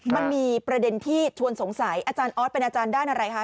มันมีประเด็นที่ชวนสงสัยอาจารย์ออสเป็นอาจารย์ด้านอะไรคะ